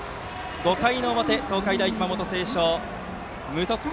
５回の表東海大熊本星翔は無得点。